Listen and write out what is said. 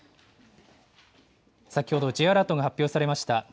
先ほどＪアラートが発表されました。